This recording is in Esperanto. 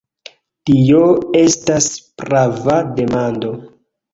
Tio estas prava demando.